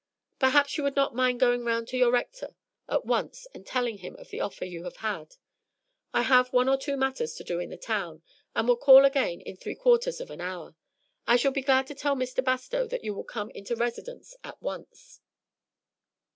Perhaps you would not mind going round to your Rector at once and telling him of the offer you have had. I have one or two matters to do in the town, and will call again in three quarters of an hour. I shall be glad to tell Mr. Bastow that you will come into residence at once."